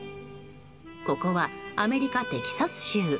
ここはアメリカ・テキサス州。